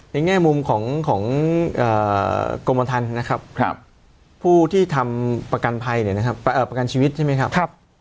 ในแง่มุมของกรมวัฒนธรรมนะครับผู้ที่ทำประกันชีวิตใช่มั้ยครับ